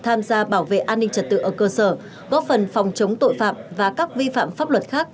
tham gia bảo vệ an ninh trật tự ở cơ sở góp phần phòng chống tội phạm và các vi phạm pháp luật khác